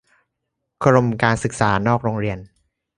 กรมการศึกษานอกโรงเรียน